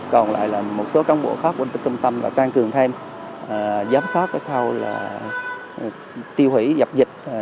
còn lại là một số công bộ khác của trung tâm là căng cường thêm giám sát theo tiêu hủy dập dịch